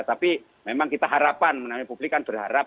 tapi memang kita harapan publik kan berharap